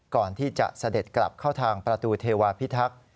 ก่อนที่จะเสด็จกลับเข้าทางประตูเทวาพิทักษ์